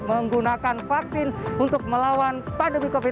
menggunakan vaksin untuk melawan pandemi covid sembilan belas